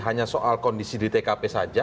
hanya soal kondisi di tkp saja